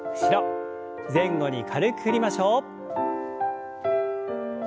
前後に軽く振りましょう。